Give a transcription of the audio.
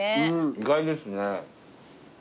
意外ですね。